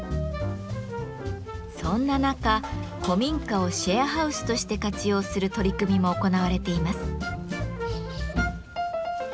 そんな中古民家を「シェアハウス」として活用する取り組みも行われています。